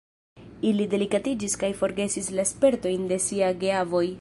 Ili delikatiĝis kaj forgesis la spertojn de siaj geavoj.